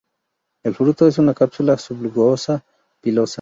El fruto es una cápsula subglobosa, pilosa.